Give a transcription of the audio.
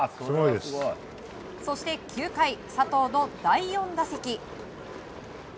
そして、９回佐藤の第４打席。